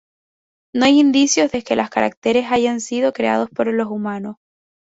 No hay indicios de que los caracteres hayan sido creados por los humanos.